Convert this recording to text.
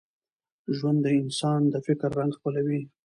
ژوند د انسان د فکر رنګ خپلوي.